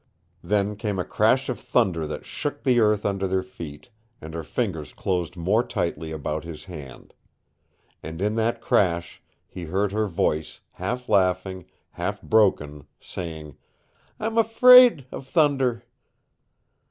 Then came a crash of thunder that shook the earth under their feet, and her fingers closed more tightly about his hand. And in that crash he heard her voice, half laughing, half broken, saying, "I'm afraid of thunder!"